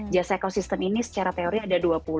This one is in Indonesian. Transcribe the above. jasa ekosistem ini secara teori ada dua puluh